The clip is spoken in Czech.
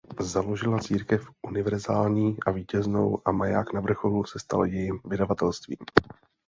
Založila Církev univerzální a vítěznou a Maják na vrcholu se stal jejím vydavatelstvím.